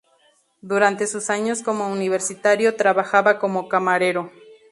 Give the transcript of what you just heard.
Durante sus años como universitario, trabajaba como camarero.